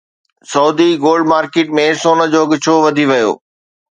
Saudi gold market ۾ سون جو اگهه ڇو وڌي ويو؟